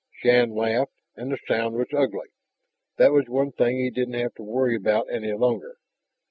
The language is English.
Shann laughed, and the sound was ugly. That was one thing he didn't have to worry about any longer.